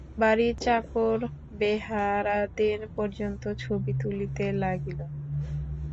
বাড়ির চাকর-বেহারাদের পর্যন্ত ছবি তুলিতে লাগিল।